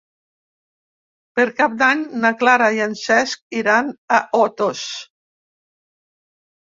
Per Cap d'Any na Clara i en Cesc iran a Otos.